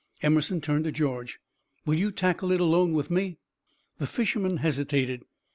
Emerson turned to George. "Will you tackle it alone with me?" The fisherman hesitated.